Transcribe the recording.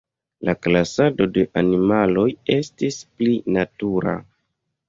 La klasado de animaloj estis pli natura.